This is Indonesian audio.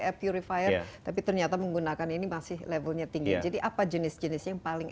air purifier tapi ternyata menggunakan ini masih levelnya tinggi jadi apa jenis jenisnya yang paling